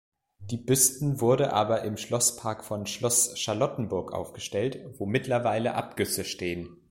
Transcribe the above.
Die Büsten wurde aber im Schlosspark von Schloss Charlottenburg aufgestellt, wo mittlerweile Abgüsse stehen.